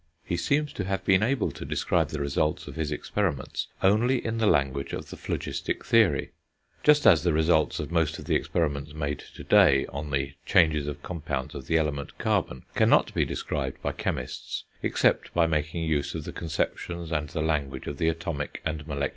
He seems to have been able to describe the results of his experiments only in the language of the phlogistic theory; just as the results of most of the experiments made to day on the changes of compounds of the element carbon cannot be described by chemists except by making use of the conceptions and the language of the atomic and molecular theory.